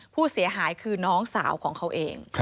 ผู้เสียหายคือน้องสาวของเขาเอง